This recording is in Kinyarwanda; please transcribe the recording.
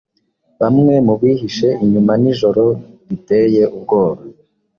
Bamwe mubihishe inyumanijoro riteye ubwoba